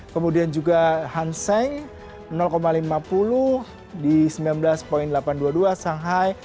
kemudian juga hanseng lima puluh di sembilan belas delapan ratus dua puluh dua shanghai